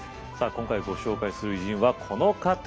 今回ご紹介する偉人はこの方。